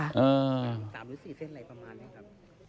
๓หรือ๔เส้นอะไรประมาณนี้ครับ